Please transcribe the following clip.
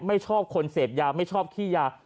ไม่ชอบคนเสพยาไม่ชอบขี้ยา